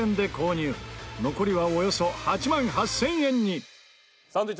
残りはおよそ８万８０００円に。